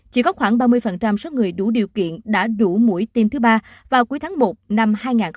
chỉ có khoảng ba mươi số người đủ điều kiện đã đủ mũi tiêm thứ ba vào cuối tháng một năm hai nghìn hai mươi